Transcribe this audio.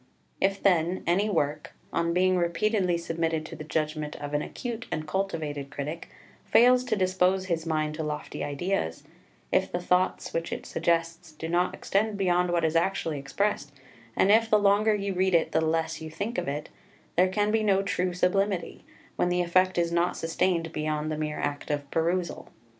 3 If then any work, on being repeatedly submitted to the judgment of an acute and cultivated critic, fails to dispose his mind to lofty ideas; if the thoughts which it suggests do not extend beyond what is actually expressed; and if, the longer you read it, the less you think of it, there can be here no true sublimity, when the effect is not sustained beyond the mere act of perusal.